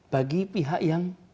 bagi pihak yang